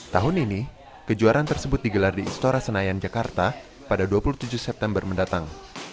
tahun ini kejuaraan tersebut digelar di istora senayan jakarta pada dua puluh tujuh september mendatang